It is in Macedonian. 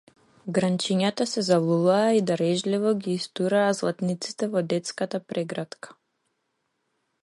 Гранчињата се залулаа и дарежливо ги истураа златниците во детската прегратка.